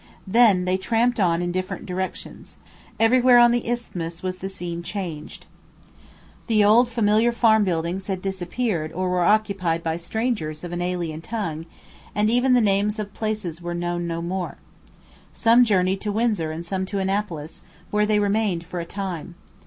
Then they tramped on in different directions. Everywhere on the isthmus the scene was changed. The old familiar farm buildings had disappeared or were occupied by strangers of an alien tongue, and even the names of places were known no more. Some journeyed to Windsor and some to Annapolis, where they remained for a time.